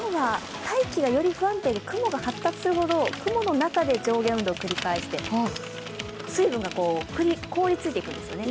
大気がより不安定で、雲が発達するほど雲の中で上下運動を繰り返して、水分が凍りついてきますよね。